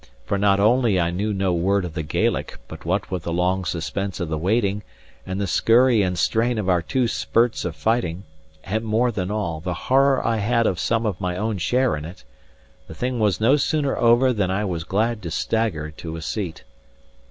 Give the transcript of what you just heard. For not only I knew no word of the Gaelic; but what with the long suspense of the waiting, and the scurry and strain of our two spirts of fighting, and more than all, the horror I had of some of my own share in it, the thing was no sooner over than I was glad to stagger to a seat.